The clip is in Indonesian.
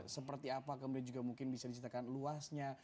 seperti apa kemudian juga mungkin bisa diceritakan luasnya